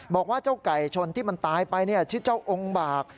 บอกว่าเจ้าไก่ชนที่มันตายไปชื่อเจ้าองค์บาก